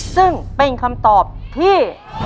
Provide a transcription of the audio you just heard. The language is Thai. ซึ่งเป็นคำตอบที่